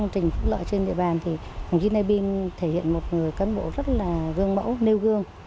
trình phức lợi trên địa bàn thì ông nay bim thể hiện một người cán bộ rất là gương mẫu nêu gương